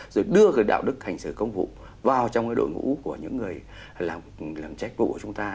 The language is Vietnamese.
rồi đưa cái đạo đức hành xử công vụ vào trong cái đội ngũ của những người làm trách vụ của chúng ta